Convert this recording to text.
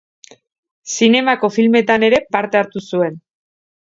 Zinemako filmetan ere parte hartu zuen.